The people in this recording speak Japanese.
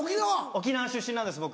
沖縄出身なんです僕。